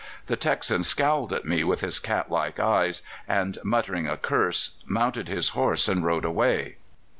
The Texan scowled at me with his cat like eyes, and, muttering a curse, mounted his horse and rode away."